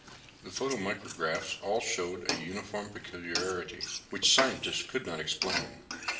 The photomicrographs all showed a uniform peculiarity, which the scientists could not explain.